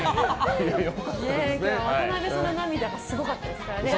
渡邊さんの涙がすごかったですからね。